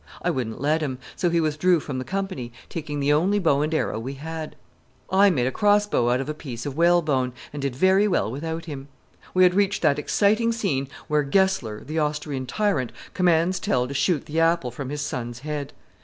I wouldn't let him, so he withdrew from the company, taking the only bow and arrow we had. I made a cross bow out of a piece of whalebone, and did very well without him. We had reached that exciting scene where Gessler, the Austrian tyrant, commands Tell to shoot the apple from his son's head.